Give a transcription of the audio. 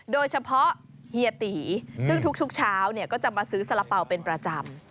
โดยเฉพาะเฮียตีซึ่งทุกเช้าก็จะมาซื้อสาระเป๋าเป็นประจำ